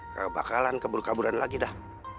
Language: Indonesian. gak bakalan kabur kaburan lagi dah